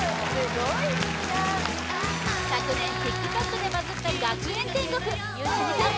昨年ＴｉｋＴｏｋでバズった「学園天国」ゆうちゃみさん